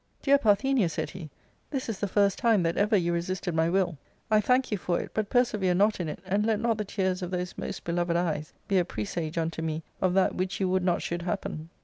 " Dear Parthenia," said he, " this is the first time that ever you resisted my will ; I thank you for it, but persever not in it, and let not the tears of those most beloved eyes be a pre sage unto me of that which you would not should happen.